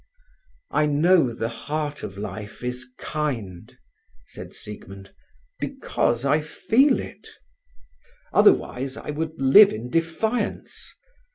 "I know the heart of life is kind," said Siegmund, "because I feel it. Otherwise I would live in defiance.